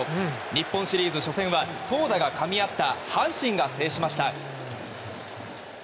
日本シリーズ初戦は投打がかみ合った阪神が制しました。